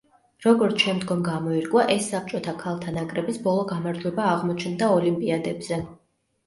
როგორც შემდგომ გამოირკვა ეს საბჭოთა ქალთა ნაკრების ბოლო გამარჯვება აღმოჩნდა ოლიმპიადებზე.